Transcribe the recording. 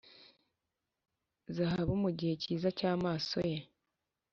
zahabu mugihe cyiza cyamaso ye,